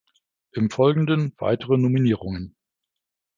Im Folgenden weitere Nominierungen.